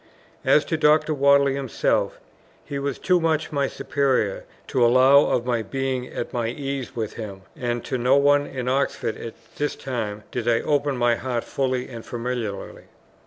As to Dr. Whately himself, he was too much my superior to allow of my being at my ease with him; and to no one in Oxford at this time did I open my heart fully and familiarly.